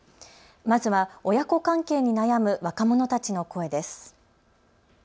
まずは親子関係に悩む若者たちの声です。